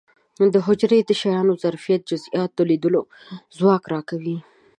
دا حجرې د شیانو د ظریفو جزئیاتو د لیدلو ځواک را کوي.